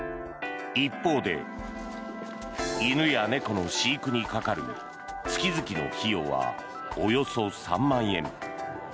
一方で、犬や猫の飼育にかかる月々の費用はおよそ３万円。